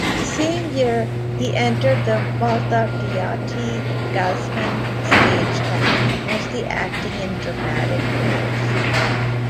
The same year, he entered the Maltagliati-Gassman stage company, mostly acting in dramatic roles.